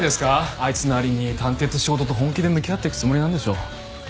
あいつなりに探偵って仕事と本気で向き合ってくつもりなんでしょ。